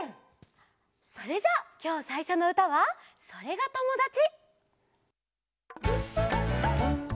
それじゃあきょうさいしょのうたは「それがともだち」！